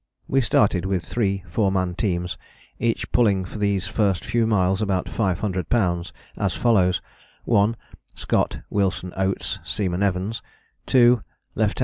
We started with three four man teams, each pulling for these first few miles about 500 lbs., as follows: (I) Scott, Wilson, Oates, Seaman Evans: (II) Lieut.